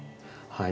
はい。